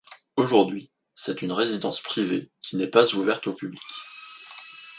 Aujourd’hui, c’est une résidence privée qui n’est pas ouverte au public.